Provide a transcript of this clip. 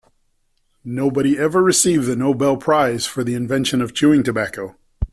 Nobody ever received the Nobel prize for the invention of chewing tobacco.